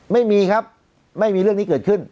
ไม่มีครับไม่มีเรื่องนี้เกิดขึ้น